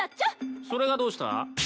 それがどうした？